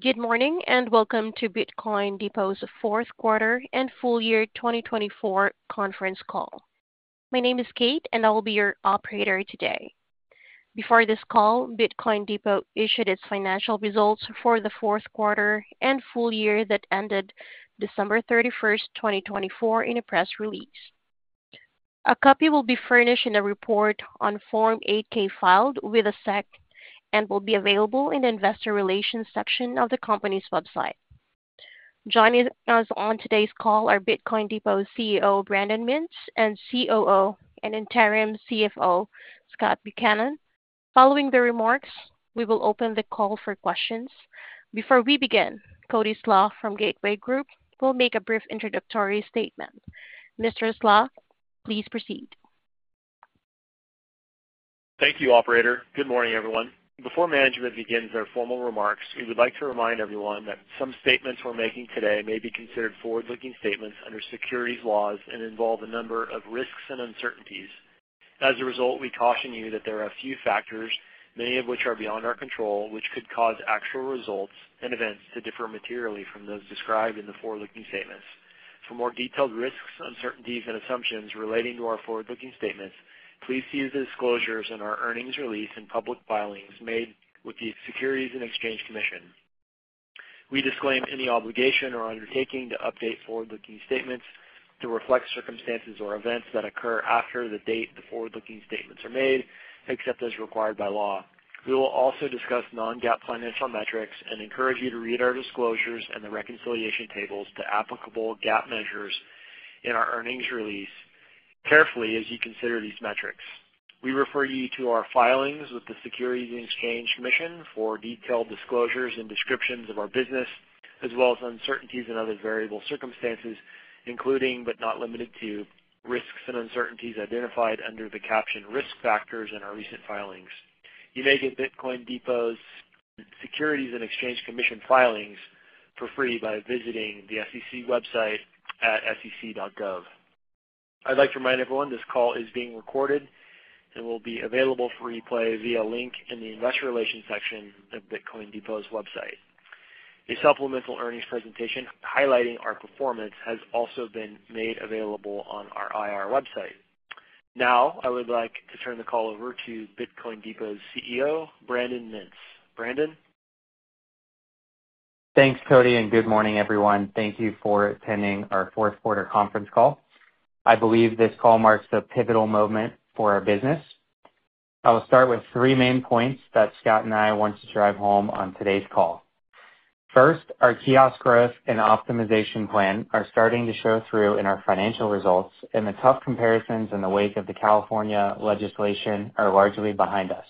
Good morning and welcome to Bitcoin Depot's fourth quarter and full year 2024 conference call. My name is Kate, and I will be your operator today. Before this call, Bitcoin Depot issued its financial results for the fourth quarter and full year that ended December 31, 2024, in a press release. A copy will be furnished in the report on Form 8-K filed with the SEC and will be available in the investor relations section of the company's website. Joining us on today's call are Bitcoin Depot CEO Brandon Mintz and COO and interim CFO Scott Buchanan. Following their remarks, we will open the call for questions. Before we begin, Cody Slach from Gateway Group will make a brief introductory statement. Mr. Slach, please proceed. Thank you, Operator. Good morning, everyone. Before management begins their formal remarks, we would like to remind everyone that some statements we're making today may be considered forward-looking statements under securities laws and involve a number of risks and uncertainties. As a result, we caution you that there are a few factors, many of which are beyond our control, which could cause actual results and events to differ materially from those described in the forward-looking statements. For more detailed risks, uncertainties, and assumptions relating to our forward-looking statements, please see the disclosures in our earnings release and public filings made with the U.S. Securities and Exchange Commission. We disclaim any obligation or undertaking to update forward-looking statements to reflect circumstances or events that occur after the date the forward-looking statements are made, except as required by law. We will also discuss Non-GAAP financial metrics and encourage you to read our disclosures and the reconciliation tables to applicable GAAP measures in our earnings release carefully as you consider these metrics. We refer you to our filings with the Securities and Exchange Commission for detailed disclosures and descriptions of our business, as well as uncertainties and other variable circumstances, including but not limited to risks and uncertainties identified under the captioned Risk Factors in our recent filings. You may get Bitcoin Depot's Securities and Exchange Commission filings for free by visiting the SEC website at sec.gov. I'd like to remind everyone this call is being recorded and will be available for replay via a link in the investor relations section of Bitcoin Depot's website. A supplemental earnings presentation highlighting our performance has also been made available on our IR website. Now, I would like to turn the call over to Bitcoin Depot's CEO, Brandon Mintz. Brandon. Thanks, Cody, and good morning, everyone. Thank you for attending our fourth quarter conference call. I believe this call marks a pivotal moment for our business. I will start with three main points that Scott and I want to drive home on today's call. First, our kiosk growth and optimization plan are starting to show through in our financial results, and the tough comparisons in the wake of the California legislation are largely behind us.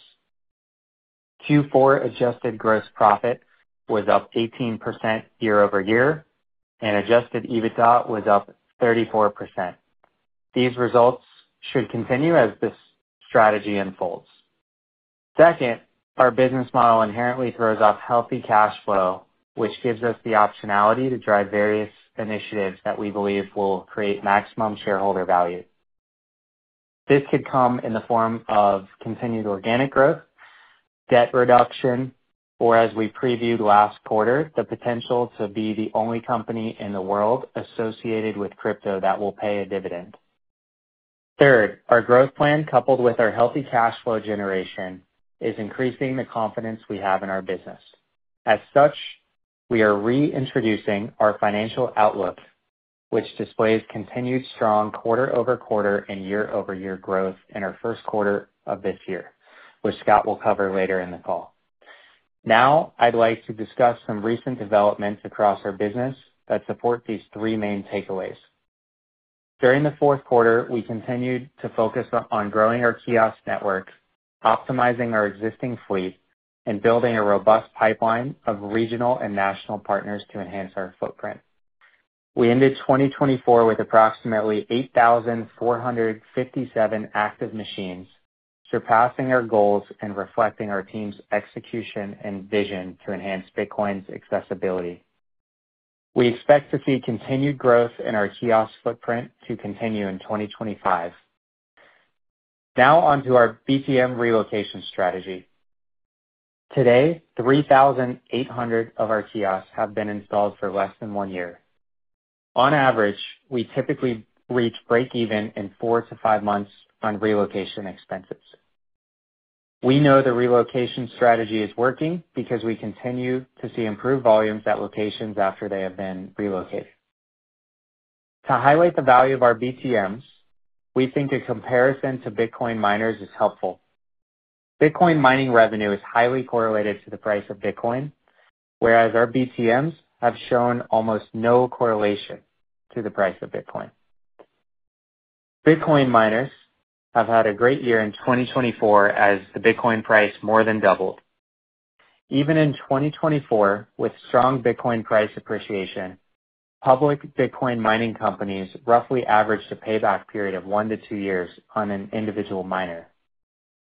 Q4 adjusted gross profit was up 18% year-over-year, and adjusted EBITDA was up 34%. These results should continue as this strategy unfolds. Second, our business model inherently throws off healthy cash flow, which gives us the optionality to drive various initiatives that we believe will create maximum shareholder value. This could come in the form of continued organic growth, debt reduction, or, as we previewed last quarter, the potential to be the only company in the world associated with crypto that will pay a dividend. Third, our growth plan, coupled with our healthy cash flow generation, is increasing the confidence we have in our business. As such, we are reintroducing our financial outlook, which displays continued strong quarter-over-quarter and year-over-year growth in our first quarter of this year, which Scott will cover later in the call. Now, I'd like to discuss some recent developments across our business that support these three main takeaways. During the fourth quarter, we continued to focus on growing our kiosk network, optimizing our existing fleet, and building a robust pipeline of regional and national partners to enhance our footprint. We ended 2024 with approximately 8,457 active machines, surpassing our goals and reflecting our team's execution and vision to enhance Bitcoin's accessibility. We expect to see continued growth in our kiosk footprint to continue in 2025. Now, onto our BTM relocation strategy. Today, 3,800 of our kiosks have been installed for less than one year. On average, we typically reach break-even in four to five months on relocation expenses. We know the relocation strategy is working because we continue to see improved volumes at locations after they have been relocated. To highlight the value of our BTMs, we think a comparison to Bitcoin miners is helpful. Bitcoin mining revenue is highly correlated to the price of Bitcoin, whereas our BTMs have shown almost no correlation to the price of Bitcoin. Bitcoin miners have had a great year in 2024 as the Bitcoin price more than doubled. Even in 2024, with strong Bitcoin price appreciation, public Bitcoin mining companies roughly averaged a payback period of one to two years on an individual miner.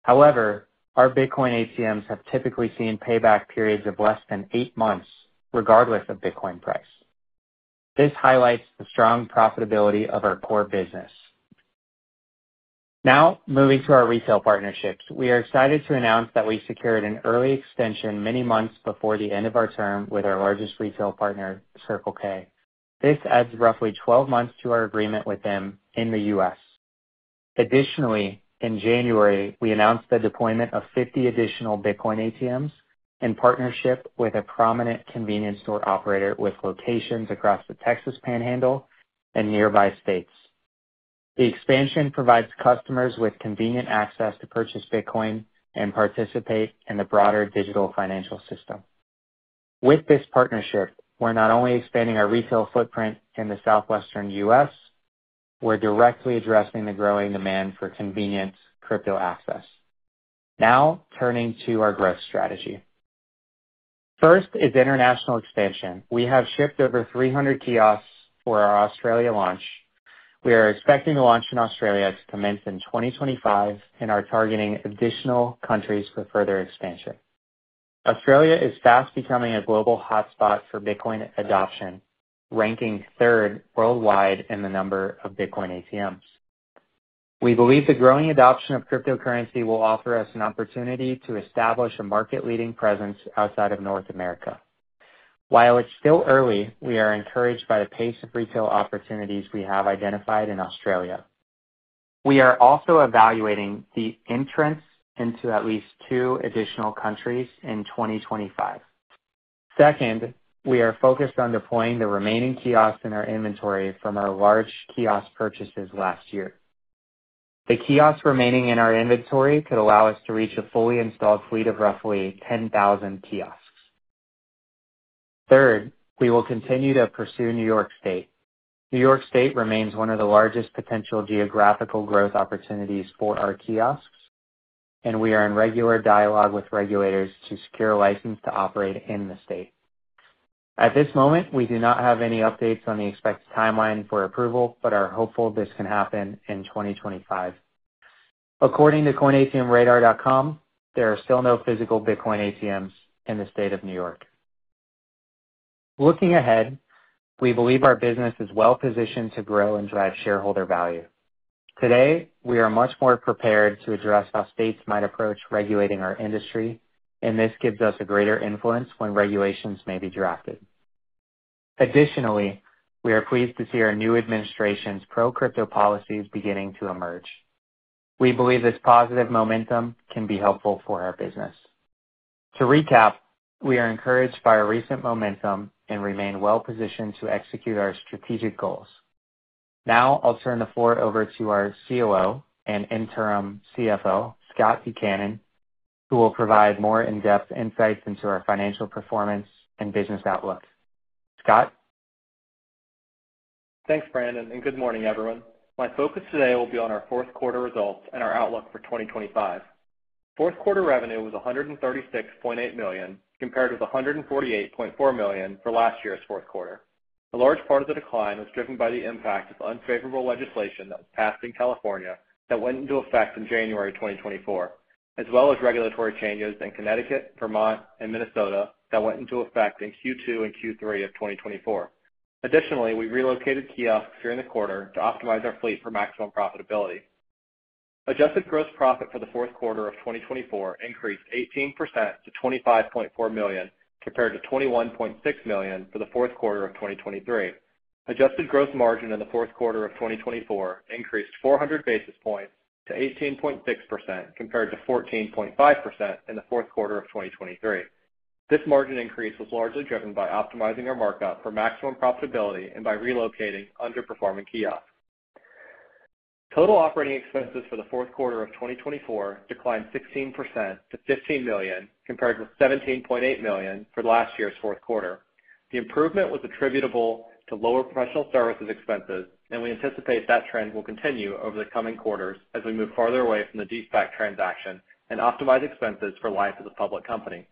However, our Bitcoin ATMs have typically seen payback periods of less than eight months, regardless of Bitcoin price. This highlights the strong profitability of our core business. Now, moving to our retail partnerships, we are excited to announce that we secured an early extension many months before the end of our term with our largest retail partner, Circle K. This adds roughly 12 months to our agreement with them in the US. Additionally, in January, we announced the deployment of 50 additional Bitcoin ATMs in partnership with a prominent convenience store operator with locations across the Texas Panhandle and nearby states. The expansion provides customers with convenient access to purchase Bitcoin and participate in the broader digital financial system. With this partnership, we're not only expanding our retail footprint in the Southwestern US, we're directly addressing the growing demand for convenient crypto access. Now, turning to our growth strategy. First is international expansion. We have shipped over 300 kiosks for our Australia launch. We are expecting the launch in Australia to commence in 2025, and are targeting additional countries for further expansion. Australia is fast becoming a global hotspot for Bitcoin adoption, ranking third worldwide in the number of Bitcoin ATMs. We believe the growing adoption of cryptocurrency will offer us an opportunity to establish a market-leading presence outside of North America. While it's still early, we are encouraged by the pace of retail opportunities we have identified in Australia. We are also evaluating the entrance into at least two additional countries in 2025. Second, we are focused on deploying the remaining kiosks in our inventory from our large kiosk purchases last year. The kiosks remaining in our inventory could allow us to reach a fully installed fleet of roughly 10,000 kiosks. Third, we will continue to pursue New York State. New York State remains one of the largest potential geographical growth opportunities for our kiosks, and we are in regular dialogue with regulators to secure a license to operate in the state. At this moment, we do not have any updates on the expected timeline for approval, but are hopeful this can happen in 2025. According to coinatmradar.com, there are still no physical Bitcoin ATMs in the state of New York. Looking ahead, we believe our business is well-positioned to grow and drive shareholder value. Today, we are much more prepared to address how states might approach regulating our industry, and this gives us a greater influence when regulations may be drafted. Additionally, we are pleased to see our new administration's pro-crypto policies beginning to emerge. We believe this positive momentum can be helpful for our business. To recap, we are encouraged by our recent momentum and remain well-positioned to execute our strategic goals. Now, I'll turn the floor over to our COO and interim CFO, Scott Buchanan, who will provide more in-depth insights into our financial performance and business outlook. Scott? Thanks, Brandon, and good morning, everyone. My focus today will be on our fourth quarter results and our outlook for 2025. Fourth quarter revenue was $136.8 million, compared with $148.4 million for last year's fourth quarter. A large part of the decline was driven by the impact of unfavorable legislation that was passed in California that went into effect in January 2024, as well as regulatory changes in Connecticut, Vermont, and Minnesota that went into effect in Q2 and Q3 of 2024. Additionally, we relocated kiosks during the quarter to optimize our fleet for maximum profitability. Adjusted gross profit for the fourth quarter of 2024 increased 18% to $25.4 million, compared to $21.6 million for the fourth quarter of 2023. Adjusted gross margin in the fourth quarter of 2024 increased 400 basis points to 18.6%, compared to 14.5% in the fourth quarter of 2023. This margin increase was largely driven by optimizing our markup for maximum profitability and by relocating underperforming kiosks. Total operating expenses for the fourth quarter of 2024 declined 16% to $15 million, compared with $17.8 million for last year's fourth quarter. The improvement was attributable to lower professional services expenses, and we anticipate that trend will continue over the coming quarters as we move farther away from the de-SPAC transaction and optimize expenses for life of the public company.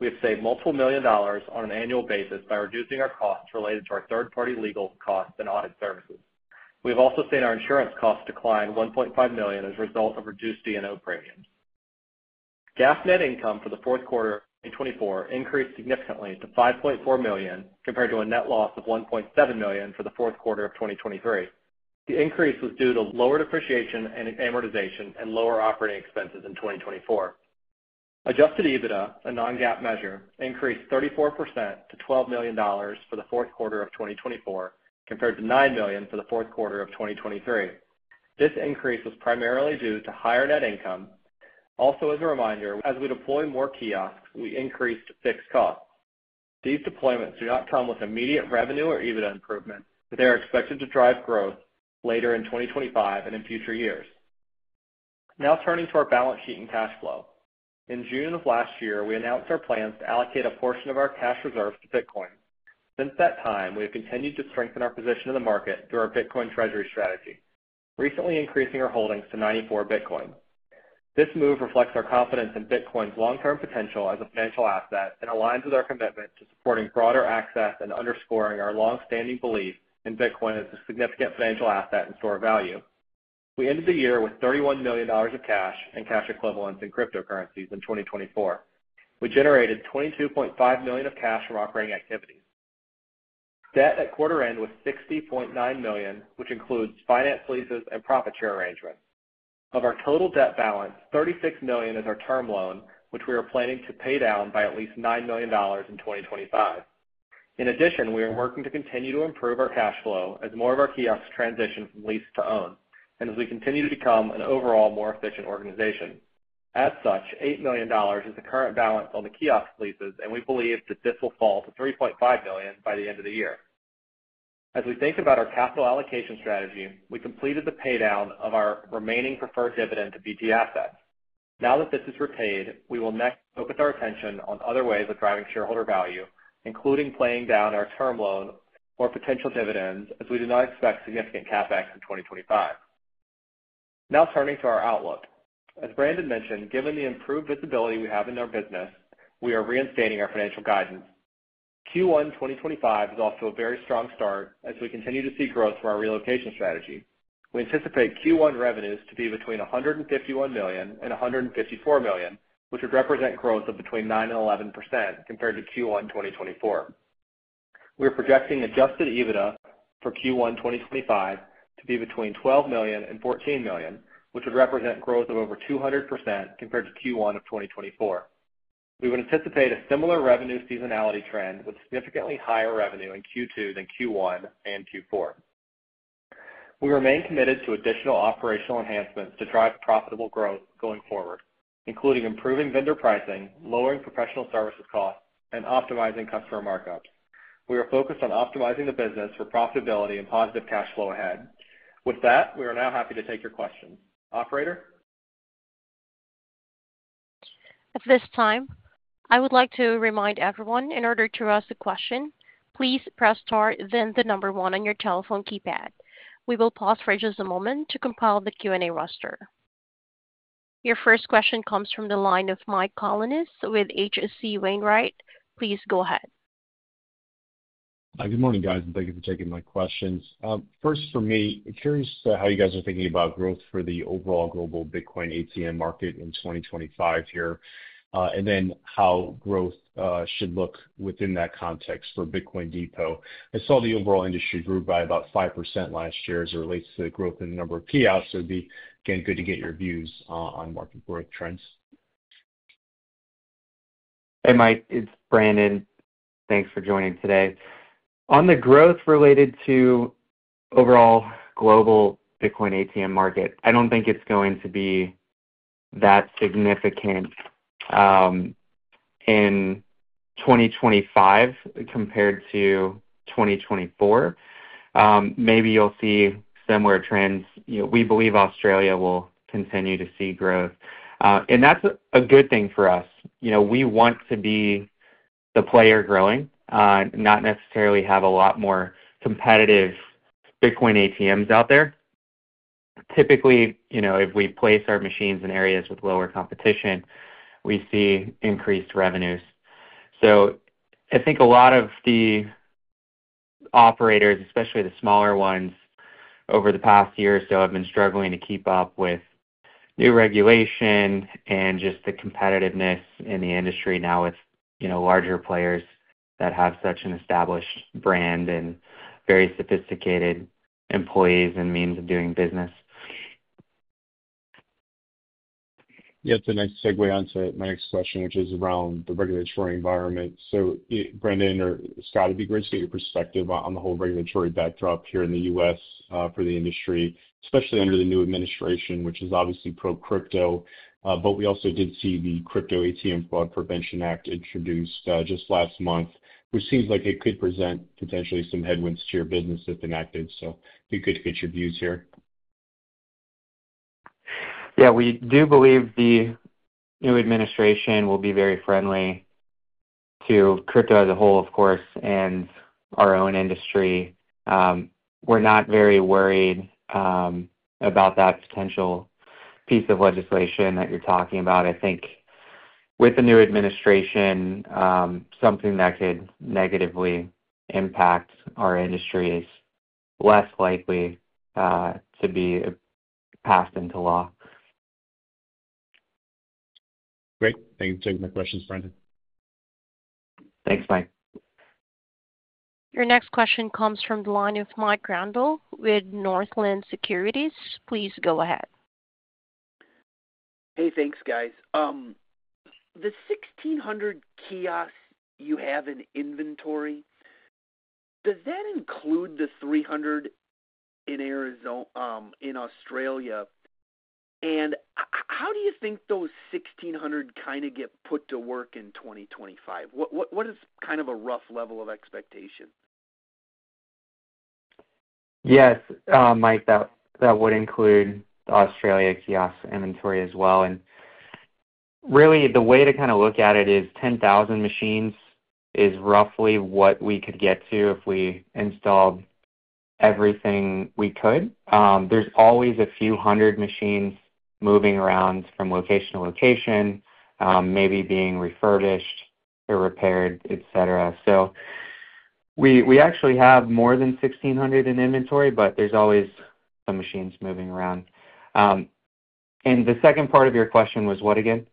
We have saved multiple million dollars on an annual basis by reducing our costs related to our third-party legal costs and audit services. We have also seen our insurance costs decline $1.5 million as a result of reduced D&O premiums. GAAP net income for the fourth quarter of 2024 increased significantly to $5.4 million, compared to a net loss of $1.7 million for the fourth quarter of 2023. The increase was due to lower depreciation and amortization and lower operating expenses in 2024. Adjusted EBITDA, a Non-GAAP measure, increased 34% to $12 million for the fourth quarter of 2024, compared to $9 million for the fourth quarter of 2023. This increase was primarily due to higher net income. Also, as a reminder, as we deploy more kiosks, we increased fixed costs. These deployments do not come with immediate revenue or EBITDA improvement, but they are expected to drive growth later in 2025 and in future years. Now, turning to our balance sheet and cash flow. In June of last year, we announced our plans to allocate a portion of our cash reserves to Bitcoin. Since that time, we have continued to strengthen our position in the market through our Bitcoin Treasury strategy, recently increasing our holdings to 94 Bitcoin. This move reflects our confidence in Bitcoin's long-term potential as a financial asset and aligns with our commitment to supporting broader access and underscoring our long-standing belief in Bitcoin as a significant financial asset and store of value. We ended the year with $31 million of cash and cash equivalents in cryptocurrencies in 2024. We generated $22.5 million of cash from operating activities. Debt at quarter end was $60.9 million, which includes finance leases and profit share arrangements. Of our total debt balance, $36 million is our term loan, which we are planning to pay down by at least $9 million in 2025. In addition, we are working to continue to improve our cash flow as more of our kiosks transition from lease to own, and as we continue to become an overall more efficient organization. As such, $8 million is the current balance on the kiosk leases, and we believe that this will fall to $3.5 million by the end of the year. As we think about our capital allocation strategy, we completed the paydown of our remaining preferred dividend to BT Assets. Now that this is repaid, we will next focus our attention on other ways of driving shareholder value, including paying down our term loan or potential dividends, as we do not expect significant CapEx in 2025. Now, turning to our outlook. As Brandon mentioned, given the improved visibility we have in our business, we are reinstating our financial guidance. Q1 2025 is off to a very strong start as we continue to see growth from our relocation strategy. We anticipate Q1 revenues to be between $151 million and $154 million, which would represent growth of between 9% and 11% compared to Q1 2024. We are projecting adjusted EBITDA for Q1 2025 to be between $12 million and $14 million, which would represent growth of over 200% compared to Q1 of 2024. We would anticipate a similar revenue seasonality trend with significantly higher revenue in Q2 than Q1 and Q4. We remain committed to additional operational enhancements to drive profitable growth going forward, including improving vendor pricing, lowering professional services costs, and optimizing customer markups. We are focused on optimizing the business for profitability and positive cash flow ahead. With that, we are now happy to take your questions. Operator? At this time, I would like to remind everyone in order to ask a question, please press star, then the number one on your telephone keypad. We will pause for just a moment to compile the Q&A roster. Your first question comes from the line of Mike Colonnese with H.C. Wainwright. Please go ahead. Good morning, guys, and thank you for taking my questions. First, for me, curious how you guys are thinking about growth for the overall global Bitcoin ATM market in 2025 here, and then how growth should look within that context for Bitcoin Depot. I saw the overall industry grew by about 5% last year as it relates to the growth in the number of kiosks. It would be, again, good to get your views on market growth trends. Hey, Mike. It's Brandon. Thanks for joining today. On the growth related to overall global Bitcoin ATM market, I don't think it's going to be that significant in 2025 compared to 2024. Maybe you'll see similar trends. We believe Australia will continue to see growth. That's a good thing for us. We want to be the player growing, not necessarily have a lot more competitive Bitcoin ATMs out there. Typically, if we place our machines in areas with lower competition, we see increased revenues. I think a lot of the operators, especially the smaller ones, over the past year or so have been struggling to keep up with new regulation and just the competitiveness in the industry now with larger players that have such an established brand and very sophisticated employees and means of doing business. Yeah, it's a nice segue onto my next question, which is around the regulatory environment. Brandon or Scott, it'd be great to get your perspective on the whole regulatory backdrop here in the U.S. for the industry, especially under the new administration, which is obviously pro-crypto. We also did see the Crypto ATM Fraud Prevention Act introduced just last month, which seems like it could present potentially some headwinds to your business if enacted. It'd be good to get your views here. Yeah, we do believe the new administration will be very friendly to crypto as a whole, of course, and our own industry. We're not very worried about that potential piece of legislation that you're talking about. I think with the new administration, something that could negatively impact our industry is less likely to be passed into law. Great. Thank you for taking my questions, Brandon. Thanks, Mike. Your next question comes from the line of Mike Grondahl with Northland Securities. Please go ahead. Hey, thanks, guys. The 1,600 kiosks you have in inventory, does that include the 300 in Australia? How do you think those 1,600 kind of get put to work in 2025? What is kind of a rough level of expectation? Yes, Mike, that would include the Australia kiosks inventory as well. Really, the way to kind of look at it is 10,000 machines is roughly what we could get to if we installed everything we could. There's always a few hundred machines moving around from location to location, maybe being refurbished or repaired, etc. We actually have more than 1,600 in inventory, but there's always some machines moving around. The second part of your question was what again?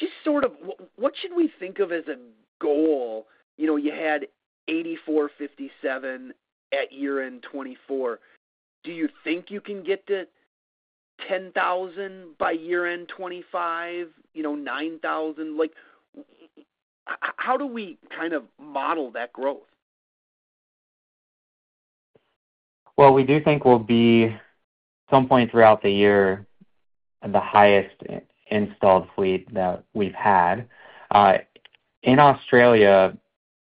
Just sort of what should we think of as a goal? You had 8,457 at year-end 2024. Do you think you can get to 10,000 by year-end 2025, 9,000? How do we kind of model that growth? We do think we'll be at some point throughout the year the highest installed fleet that we've had. In Australia,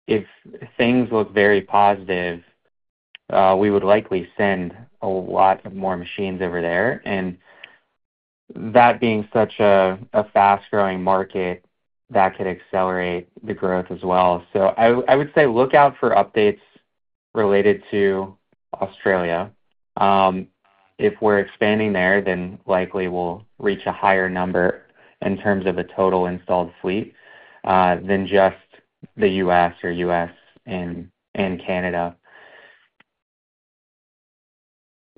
if things look very positive, we would likely send a lot more machines over there. That being such a fast-growing market, that could accelerate the growth as well. I would say look out for updates related to Australia. If we're expanding there, then likely we'll reach a higher number in terms of a total installed fleet than just the U.S. or U.S. and Canada.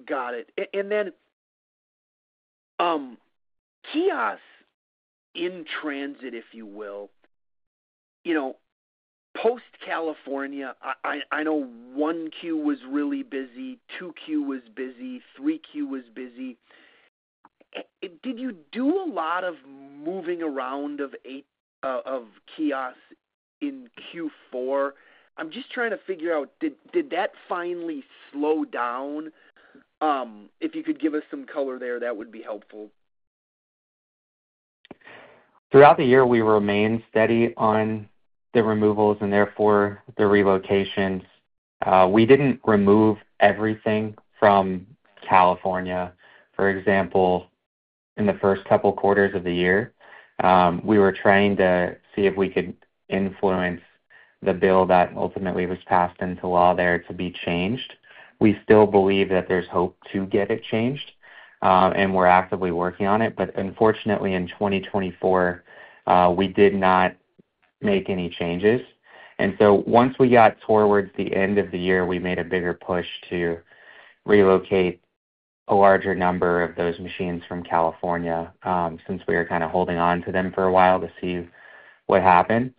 Got it. Kiosks in transit, if you will, post-California, I know Q1 was really busy, Q2 was busy, Q3 was busy. Did you do a lot of moving around of kiosks in Q4? I'm just trying to figure out, did that finally slow down? If you could give us some color there, that would be helpful. Throughout the year, we remained steady on the removals and therefore the relocations. We did not remove everything from California, for example, in the first couple quarters of the year. We were trying to see if we could influence the bill that ultimately was passed into law there to be changed. We still believe that there is hope to get it changed, and we are actively working on it. Unfortunately, in 2024, we did not make any changes. Once we got towards the end of the year, we made a bigger push to relocate a larger number of those machines from California since we were kind of holding on to them for a while to see what happened.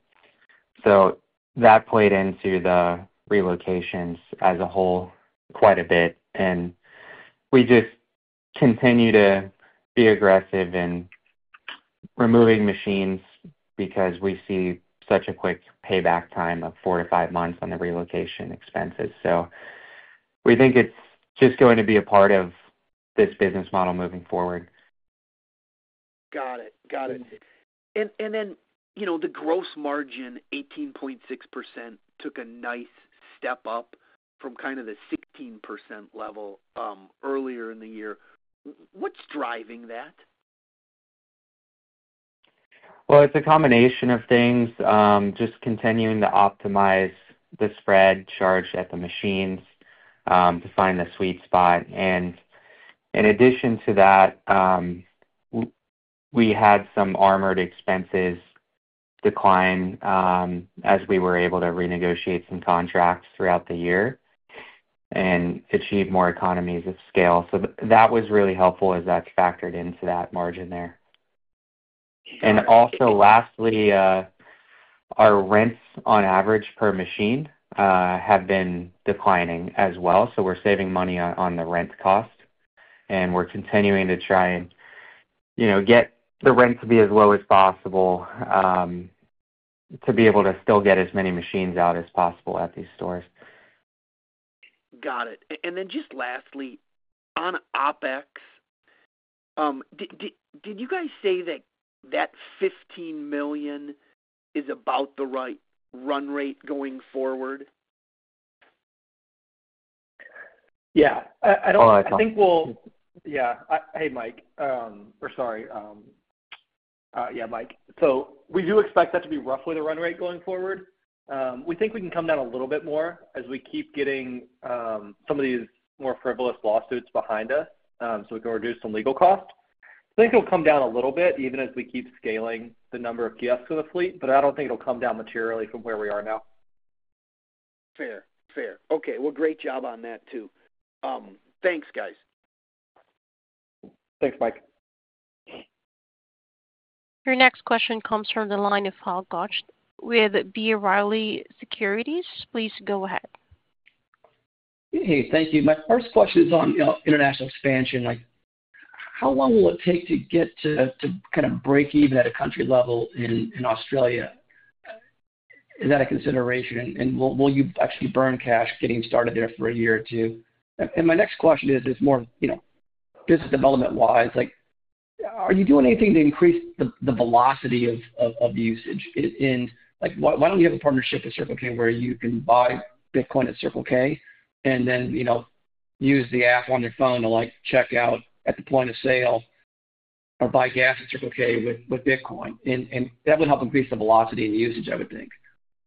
That played into the relocations as a whole quite a bit. We just continue to be aggressive in removing machines because we see such a quick payback time of four to five months on the relocation expenses. We think it's just going to be a part of this business model moving forward. Got it. Got it. The gross margin, 18.6%, took a nice step up from kind of the 16% level earlier in the year. What's driving that? It's a combination of things, just continuing to optimize the spread charged at the machines to find the sweet spot. In addition to that, we had some armored expenses decline as we were able to renegotiate some contracts throughout the year and achieve more economies of scale. That was really helpful as that's factored into that margin there. Also, lastly, our rents on average per machine have been declining as well. We're saving money on the rent cost, and we're continuing to try and get the rent to be as low as possible to be able to still get as many machines out as possible at these stores. Got it. And then just lastly, on OpEx, did you guys say that that $15 million is about the right run rate going forward? Yeah. I think we'll—yeah. Hey, Mike. Sorry. Yeah, Mike. We do expect that to be roughly the run rate going forward. We think we can come down a little bit more as we keep getting some of these more frivolous lawsuits behind us so we can reduce some legal costs. I think it'll come down a little bit even as we keep scaling the number of kiosks of the fleet, but I don't think it'll come down materially from where we are now. Fair. Fair. Okay. Great job on that too. Thanks, guys. Thanks, Mike. Your next question comes from the line of Hal Goetsch with B. Riley Securities. Please go ahead. Hey, thank you. My first question is on international expansion. How long will it take to get to kind of break even at a country level in Australia? Is that a consideration? Will you actually burn cash getting started there for a year or two? My next question is more business development-wise. Are you doing anything to increase the velocity of usage? Why don't you have a partnership with Circle K where you can buy Bitcoin at Circle K and then use the app on your phone to check out at the point of sale or buy gas at Circle K with Bitcoin? That would help increase the velocity and usage, I would think.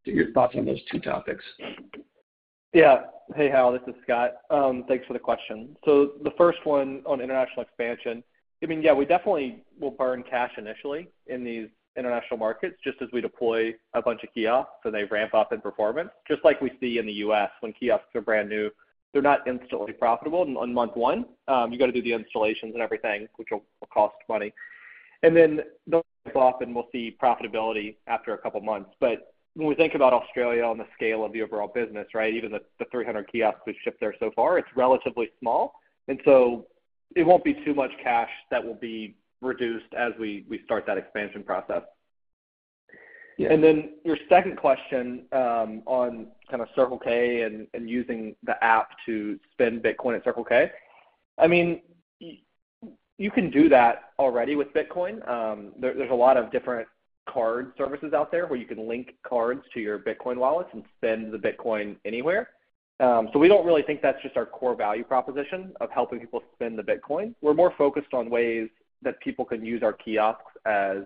Your thoughts on those two topics? Yeah. Hey, Hal. This is Scott. Thanks for the question. The first one on international expansion, I mean, yeah, we definitely will burn cash initially in these international markets just as we deploy a bunch of kiosks and they ramp up in performance. Just like we see in the U.S. when kiosks are brand new, they're not instantly profitable. On month one, you got to do the installations and everything, which will cost money. Then often we'll see profitability after a couple of months. When we think about Australia on the scale of the overall business, right, even the 300 kiosks we've shipped there so far, it's relatively small. It won't be too much cash that will be reduced as we start that expansion process. Your second question on kind of Circle K and using the app to spend Bitcoin at Circle K, I mean, you can do that already with Bitcoin. There are a lot of different card services out there where you can link cards to your Bitcoin wallets and spend the Bitcoin anywhere. We do not really think that is our core value proposition of helping people spend the Bitcoin. We are more focused on ways that people can use our kiosks as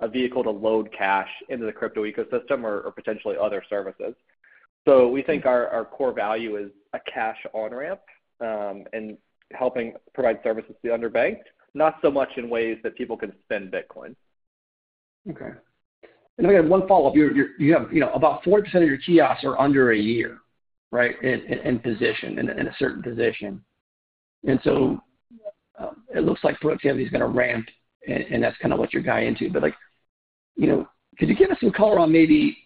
a vehicle to load cash into the crypto ecosystem or potentially other services. We think our core value is a cash on-ramp and helping provide services to the underbanked, not so much in ways that people can spend Bitcoin. Okay. I've got one follow-up. You have about 40% of your kiosks are under a year, right, in position, in a certain position. It looks like perhaps you have these kind of ramp, and that's kind of what you're guiding into. Could you give us some color on maybe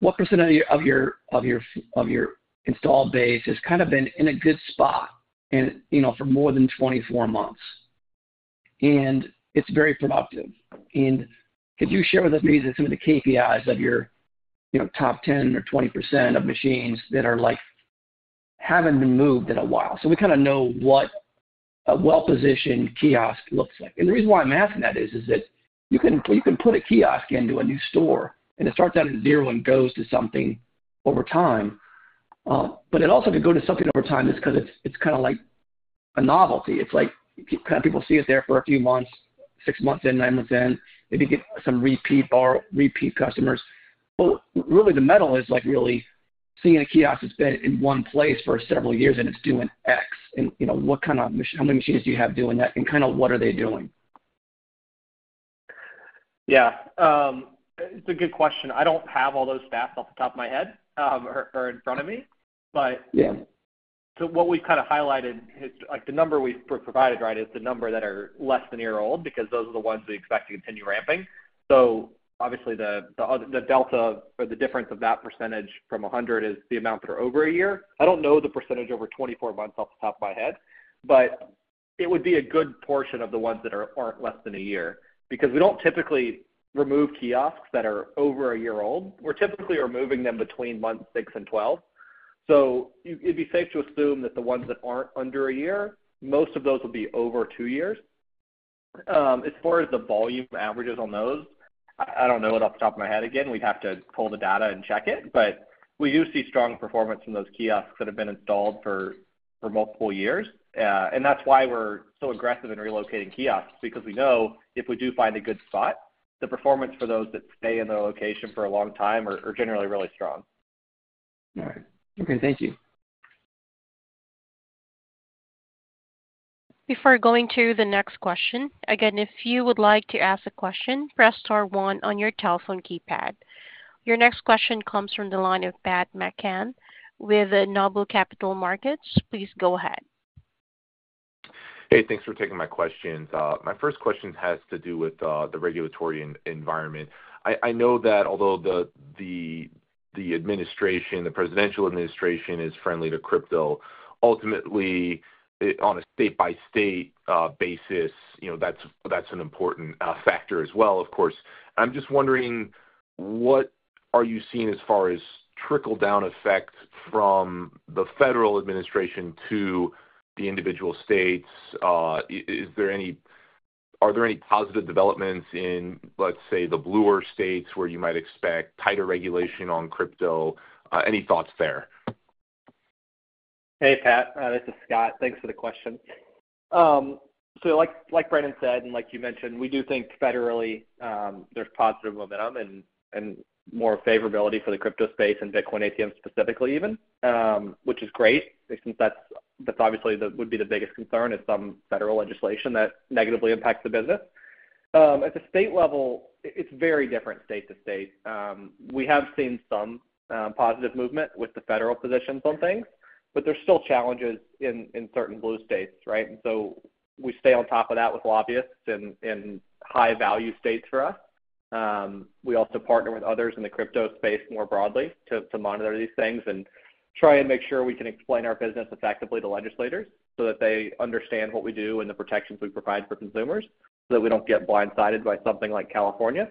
what percentage of your installed base has kind of been in a good spot for more than 24 months? It's very productive. Could you share with us maybe some of the KPIs of your top 10 or 20% of machines that haven't been moved in a while? We kind of know what a well-positioned kiosk looks like. The reason why I'm asking that is that you can put a kiosk into a new store, and it starts out at zero and goes to something over time. It also could go to something over time just because it's kind of like a novelty. It's like kind of people see it there for a few months, six months in, nine months in, maybe get some repeat customers. Really, the medal is really seeing a kiosk that's been in one place for several years and it's doing X. What kind of how many machines do you have doing that? What are they doing? Yeah. It's a good question. I don't have all those stats off the top of my head or in front of me. What we've kind of highlighted, the number we've provided, right, is the number that are less than a year old because those are the ones we expect to continue ramping. Obviously, the delta or the difference of that percentage from 100% is the amount that are over a year. I don't know the percentage over 24 months off the top of my head, but it would be a good portion of the ones that aren't less than a year because we don't typically remove kiosks that are over a year old. We're typically removing them between months 6 and 12. It'd be safe to assume that the ones that aren't under a year, most of those will be over two years. As far as the volume averages on those, I don't know it off the top of my head again. We'd have to pull the data and check it. We do see strong performance from those kiosks that have been installed for multiple years. That's why we're so aggressive in relocating kiosks because we know if we do find a good spot, the performance for those that stay in their location for a long time are generally really strong. All right. Okay. Thank you. Before going to the next question, again, if you would like to ask a question, press star 1 on your telephone keypad. Your next question comes from the line of Pat McCann with Noble Capital Markets. Please go ahead. Hey, thanks for taking my questions. My first question has to do with the regulatory environment. I know that although the presidential administration is friendly to crypto, ultimately, on a state-by-state basis, that's an important factor as well, of course. I'm just wondering, what are you seeing as far as trickle-down effects from the federal administration to the individual states? Are there any positive developments in, let's say, the bluer states where you might expect tighter regulation on crypto? Any thoughts there? Hey, Pat. This is Scott. Thanks for the question. Like Brandon said, and like you mentioned, we do think federally there's positive momentum and more favorability for the crypto space and Bitcoin ATM specifically even, which is great since that's obviously what would be the biggest concern is some federal legislation that negatively impacts the business. At the state level, it's very different state to state. We have seen some positive movement with the federal positions on things, but there's still challenges in certain blue states, right? We stay on top of that with lobbyists in high-value states for us. We also partner with others in the crypto space more broadly to monitor these things and try and make sure we can explain our business effectively to legislators so that they understand what we do and the protections we provide for consumers so that we do not get blindsided by something like California.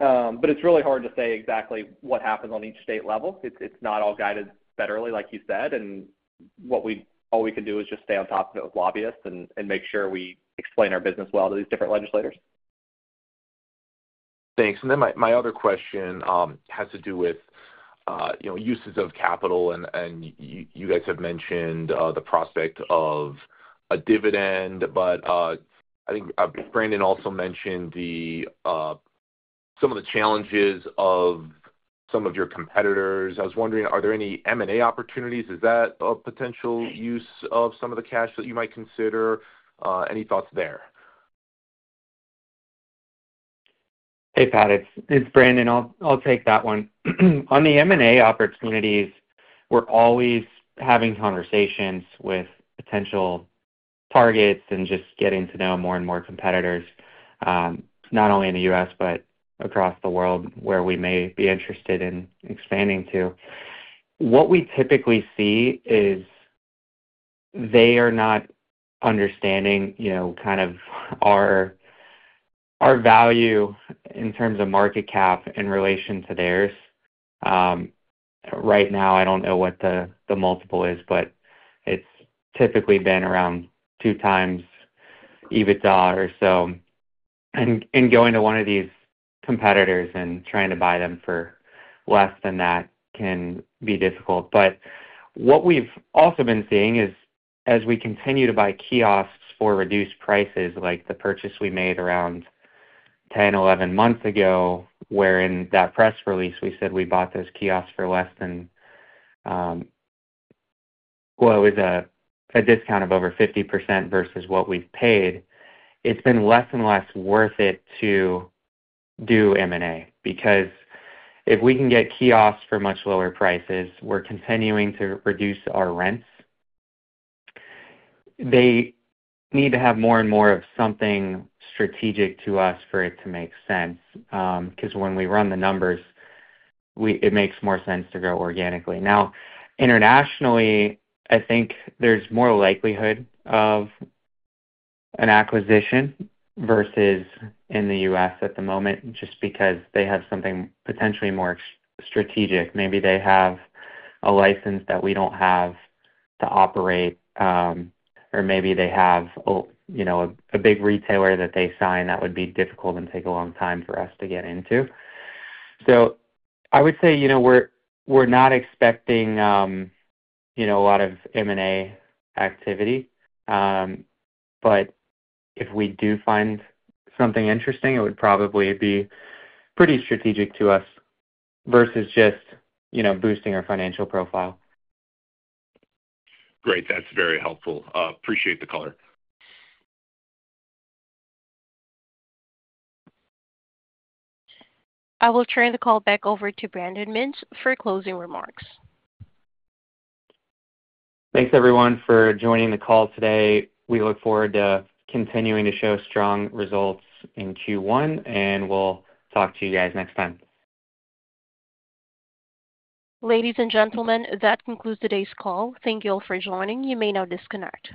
It is really hard to say exactly what happens on each state level. It is not all guided federally, like you said. All we can do is just stay on top of it with lobbyists and make sure we explain our business well to these different legislators. Thanks. My other question has to do with uses of capital. You guys have mentioned the prospect of a dividend, but I think Brandon also mentioned some of the challenges of some of your competitors. I was wondering, are there any M&A opportunities? Is that a potential use of some of the cash that you might consider? Any thoughts there? Hey, Pat. It's Brandon. I'll take that one. On the M&A opportunities, we're always having conversations with potential targets and just getting to know more and more competitors, not only in the US, but across the world where we may be interested in expanding to. What we typically see is they are not understanding kind of our value in terms of market cap in relation to theirs. Right now, I don't know what the multiple is, but it's typically been around two times EBITDA or so. Going to one of these competitors and trying to buy them for less than that can be difficult. What we've also been seeing is as we continue to buy kiosks for reduced prices, like the purchase we made around 10, 11 months ago, where in that press release we said we bought those kiosks for less than, well, it was a discount of over 50% versus what we've paid, it's been less and less worth it to do M&A because if we can get kiosks for much lower prices, we're continuing to reduce our rents. They need to have more and more of something strategic to us for it to make sense because when we run the numbers, it makes more sense to go organically. Now, internationally, I think there's more likelihood of an acquisition versus in the U.S. at the moment just because they have something potentially more strategic. Maybe they have a license that we do not have to operate, or maybe they have a big retailer that they sign that would be difficult and take a long time for us to get into. I would say we are not expecting a lot of M&A activity. If we do find something interesting, it would probably be pretty strategic to us versus just boosting our financial profile. Great. That's very helpful. Appreciate the color. I will turn the call back over to Brandon Mintz for closing remarks. Thanks, everyone, for joining the call today. We look forward to continuing to show strong results in Q1, and we'll talk to you guys next time. Ladies and gentlemen, that concludes today's call. Thank you all for joining. You may now disconnect.